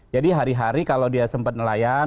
jadi hari hari kalau dia sempat nelayan